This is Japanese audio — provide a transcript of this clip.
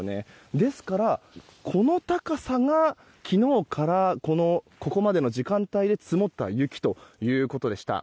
ですから、この高さが昨日からここまでの時間帯で積もった雪ということでした。